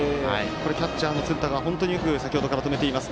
キャッチャーの鶴田が本当によく先程から止めています。